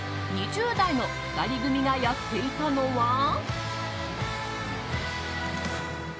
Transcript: ２０代の２人組がやっていたのは。